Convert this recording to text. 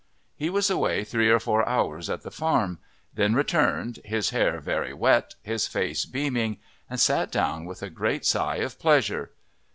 He was away three or four hours at the farm, then returned, his hair very wet, his face beaming, and sat down with a great sigh of pleasure.